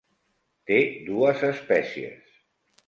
Té dues espècies.